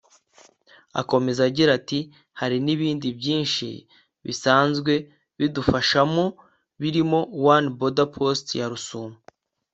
Akomeza agira ati “Hari n’ibindi byinshi basanzwe badufashamo birimo ‘One Border post’ ya Rusumo